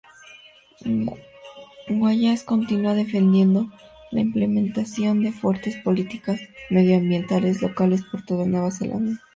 Wallace continúa defendiendo la implementación de fuertes políticas medioambientales locales por toda Nueva Zelanda.